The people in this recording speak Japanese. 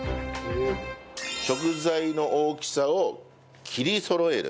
食材の大きさを切りそろえる。